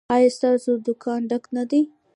ایا ستاسو دکان ډک نه دی؟